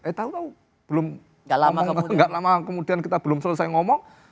eh tau tau belum lama nggak lama kemudian kita belum selesai ngomong